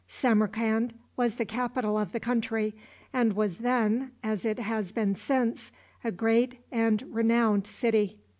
Samarcand was the capital of the country, and was then, as it has been since, a great and renowned city.